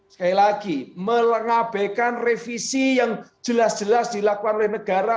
sekali lagi mengabaikan revisi yang jelas jelas dilakukan oleh negara